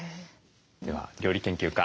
では料理研究家